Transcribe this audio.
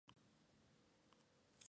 Está situado en la costa noruego.